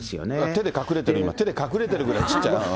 手で隠れてる、今、手で隠れてるぐらいちっちゃい。